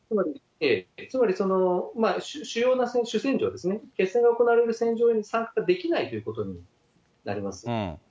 つまり主要な主戦場ですね、それが行われる戦場に参加できないということになります。